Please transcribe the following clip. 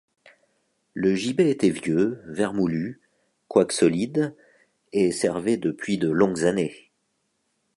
Le gibet était vieux, vermoulu, quoique solide, et servait depuis de longues années.